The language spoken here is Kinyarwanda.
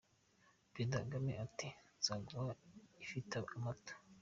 Perezida Kagame ati “Nzaguha ifite amata.”